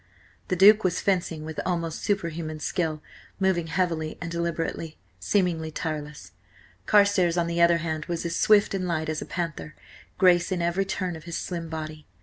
The Duke was fencing with almost superhuman skill, moving heavily and deliberately, seemingly tireless. Carstares, on the other hand, was as swift and light as a panther, grace in every turn of his slim body.